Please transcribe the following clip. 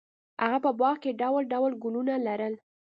هغه په باغ کې ډول ډول ګلونه لرل.